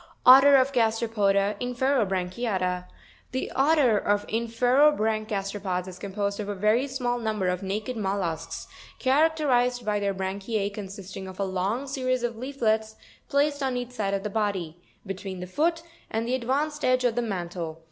ORDER OF GASTEROPODA INFEROBRANCHIATA. 35. The order of Inferobranch gasteropods is composed of a very small number of naked mollusks, characterized by their branchie, consisting of a long series of leaflets, placed on each side of the body, between the foot, and the advanced edge of the mantle.